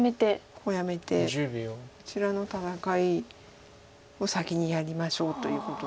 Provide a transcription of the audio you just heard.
コウやめてこちらの戦いを先にやりましょうということなんです。